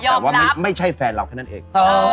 แต่ว่าไม่ใช่แฟนเราแค่นั้นเอง